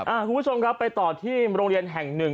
คุณผู้ชมครับไปต่อที่โรงเรียนแห่งหนึ่ง